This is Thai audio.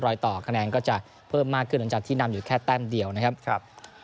ต่อคะแนนก็จะเพิ่มมากขึ้นหลังจากที่นำอยู่แค่แต้มเดียวนะครับ